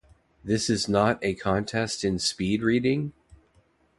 This is not a contest in speed-reading?